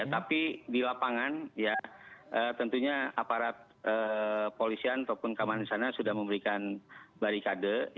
tapi di lapangan tentunya aparat polisian ataupun keamanan di sana sudah memberikan barikade